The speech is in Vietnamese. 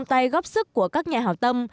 trung tay góp sức của các nhà hảo tâm